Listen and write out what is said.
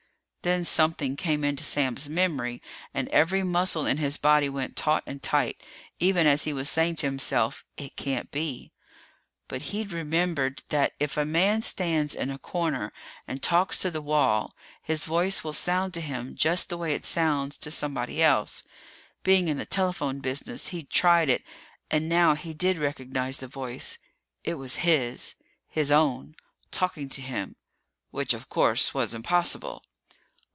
Then something came into Sam's memory and every muscle in his body went taut and tight, even as he was saying to himself, "It can't be!" But he'd remembered that if a man stands in a corner and talks to the wall, his voice will sound to him just the way it sounds to somebody else. Being in the telephone business, he'd tried it and now he did recognize the voice. It was his. His own. Talking to him. Which, of course, was impossible.